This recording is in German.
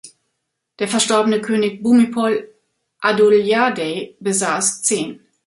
Der verstorbene König Bhumibol Adulyadej besaß zehn.